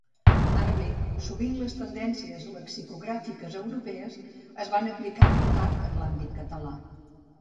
Ara bé, sovint les tendències lexicogràfiques europees es van aplicar amb retard en l'àmbit català.